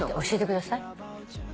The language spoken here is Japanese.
教えてください。